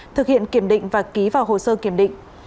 thực hiện kiểm định và ký vào hồ sơ kiểm định